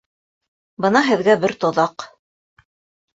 Бына һеҙгә бер тоҙаҡ!